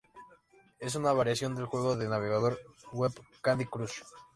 Es una variación del juego de navegador web "Candy Crush".